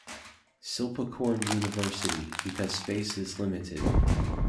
Silpakorn University because space is limited.